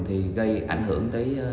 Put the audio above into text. thì gây ảnh hưởng tới